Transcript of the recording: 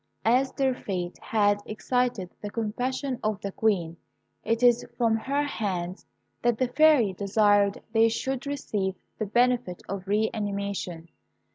As their fate had excited the compassion of the Queen, it was from her hands that the Fairy desired they should receive the benefit of re animation.